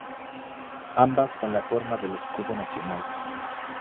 Ambas con la forma del escudo nacional.